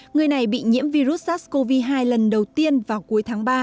người này bị nhiễm virus sars cov hai lần đầu tiên vào cuối tháng ba